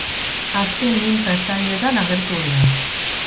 Azken ninfa-estadioetan agertu ohi da.